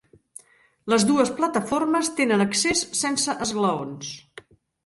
Les dues plataformes tenen accés sense esglaons.